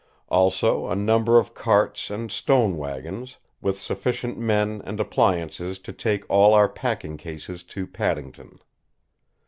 Also a number of carts and stone wagons, with sufficient men and appliances to take all our packing cases to Paddington.